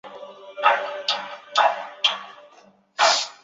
有人但求目的不择手段。